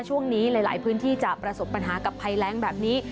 ช่วงนี้หลายพื้นที่จะประสบปัญหากับภัยแรงแบบนี้